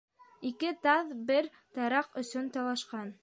Ике таҙ бер тараҡ өсөн талашҡан.